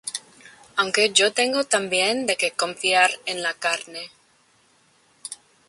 Aunque yo tengo también de qué confiar en la carne.